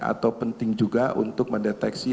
atau penting juga untuk mendeteksi